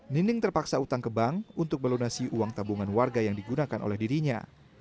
nining terpaksa utang ke bank untuk melunasi uang tabungan warga yang digunakan oleh dirinya